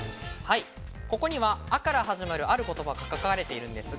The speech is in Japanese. ここには「ア」から始まるある言葉が書かれています。